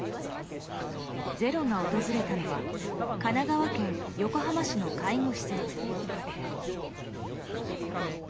「ｚｅｒｏ」が訪れたのは神奈川県横浜市の介護施設。